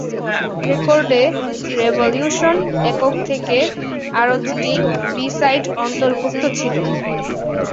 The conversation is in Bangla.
রেকর্ডে "রেভোলিউশন" একক থেকে আরও দুটি বি-সাইড অন্তর্ভুক্ত ছিল।